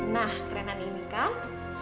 nah kerenan ini kan